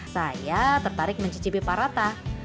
saya tertarik mencicipi paratha